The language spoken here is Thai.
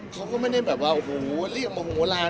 เขาก็ไม่ได้แบบว่าโอ้โหเรียกโมโหลาน